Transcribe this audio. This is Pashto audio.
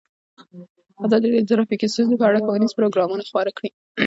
ازادي راډیو د ټرافیکي ستونزې په اړه ښوونیز پروګرامونه خپاره کړي.